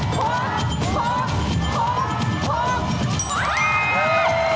เจฟเจฟ